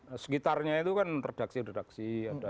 setelah belakangnya itu kan redaksi redaksi